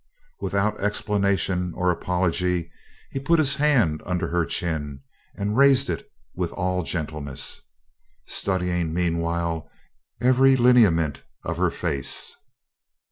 Without explanation or apology, he put his hand under her chin and raised it with all gentleness, studying meanwhile every lineament of her face.